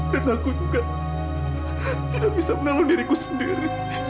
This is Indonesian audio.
dan aku juga tidak bisa menolong diriku sendiri